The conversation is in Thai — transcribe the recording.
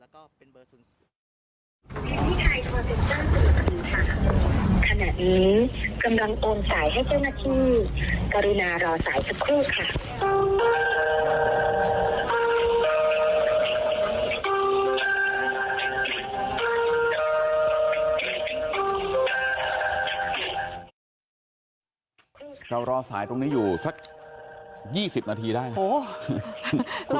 ก็รอสายตรงนี้อยู่สัก๒๐นาทีได้นะครับ